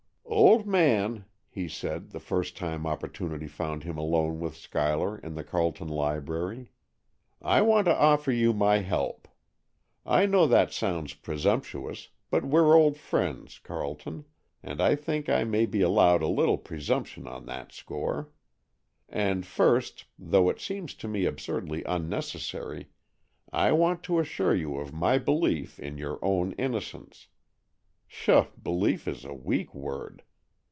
"Old man," he said, the first time opportunity found him alone with Schuyler in the Carleton library, "I want to offer you my help. I know that sounds presumptuous, but we're old friends, Carleton, and I think I may be allowed a little presumption on that score. And first, though it seems to me absurdly unnecessary, I want to assure you of my belief in your own innocence. Pshaw, belief is a weak word!